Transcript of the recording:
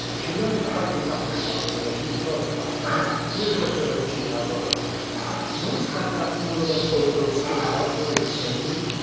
She learned quite enough of love with her two first husbands; with her third she has other plans. Knowest thou that fool of an Otho still loves her insanely.